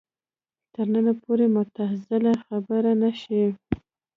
تر ننه پورې معتزله خبره نه شي